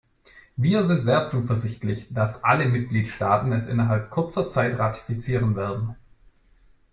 Wir sind sehr zuversichtlich, dass alle Mitgliedstaaten es innerhalb kurzer Zeit ratifizieren werden.